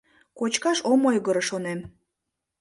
Кочкаш ом ойгыро, шонем.